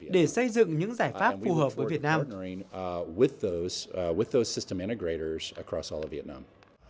để xây dựng những giải pháp phù hợp với việt nam